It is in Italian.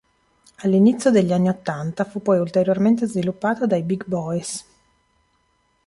All'inizio degli anni ottanta, fu poi ulteriormente sviluppato dai Big Boys.